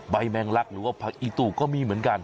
แมงลักหรือว่าผักอีตูก็มีเหมือนกัน